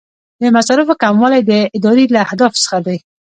د مصارفو کموالی د ادارې له اهدافو څخه دی.